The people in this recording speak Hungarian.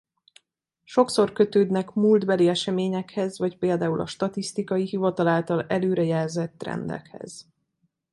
Sokszor kötődnek múltbeli eseményekhez vagy például a statisztikai hivatal által előre jelzett trendekhez.